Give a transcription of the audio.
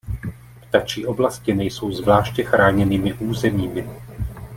Ptačí oblasti nejsou zvláště chráněnými územími.